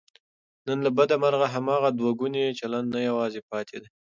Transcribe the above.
نن له بده مرغه، هماغه دوهګونی چلند نه یوازې پاتې دی